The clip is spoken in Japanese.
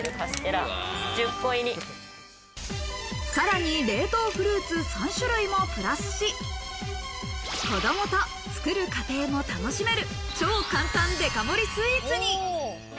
さらに冷凍フルーツ３種類もプラスし、子供と作る過程も楽しめる超簡単デカ盛りスイーツに。